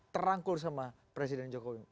terangkul sama presiden jokowi